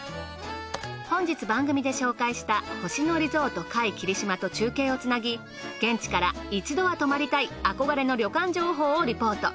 本日番組で紹介した星野リゾート界霧島と中継をつなぎ現地から一度は泊まりたい憧れの旅館情報をリポート。